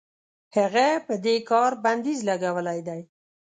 هغه په دې کار بندیز لګولی دی.